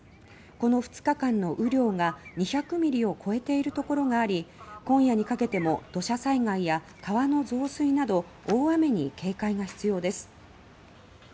この２日間の雨量が２００ミリを超えている所があり今夜にかけても土砂災害や川の増水など大雨に警戒が必要です。